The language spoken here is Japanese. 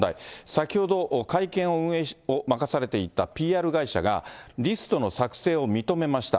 先ほど、会見を任されていたＰＲ会社が、リストの作成を認めました。